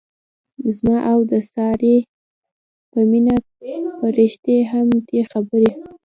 زما او د سارې په مینه پریښتې هم نه دي خبرې.